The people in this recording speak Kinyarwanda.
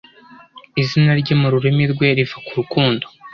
izana rye mu rurimi rwe riva ku rukundo